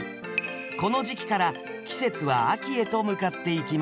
この時期から季節は秋へと向かっていきます。